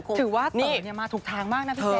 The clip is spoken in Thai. ถือว่าเต๋อเนี่ยมาถูกทางมากนะพี่เต๋